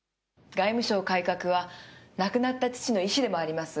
外務省改革は亡くなった父の遺志でもあります。